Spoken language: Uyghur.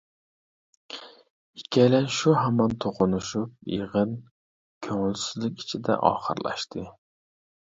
ئىككىيلەن شۇ ھامان توقۇنۇشۇپ، يىغىن كۆڭۈلسىزلىك ئىچىدە ئاخىرلاشتى.